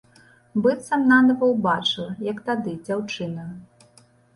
Быццам нанава ўбачыла, як тады, дзяўчынаю.